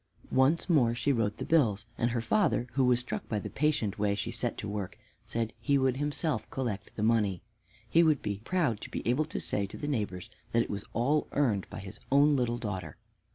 Once more she wrote the bills, and her father, who was struck by the patient way she set to work, said he would himself collect the money. He would be proud to be able to say to the neighbors that it was all earned by his own little daughter.